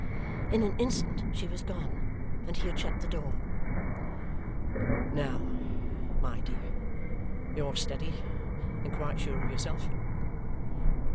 In an instant she was gone, and he had shut the door. "Now my dear, you're steady and quite sure of yourself?"